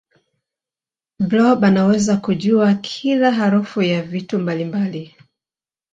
blob anaweza kujua kila harufu ya vitu mbalimbali